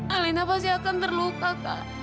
alina pasti akan terluka kak